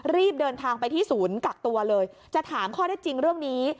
รีบเดินทางไปที่ศูนย์กักตัวเลยจะถามข้อได้จริงเรื่องนี้